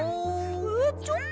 えっちょっと！